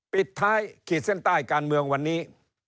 ปิดท้ายขีดเส้นใต้การเมืองวันนี้